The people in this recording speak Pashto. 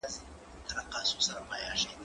هغه څوک چي سينه سپين کوي پاک وي؟!